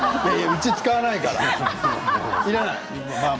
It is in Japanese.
うち使わないから。